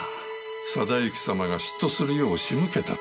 定行様が嫉妬するよう仕向けたと？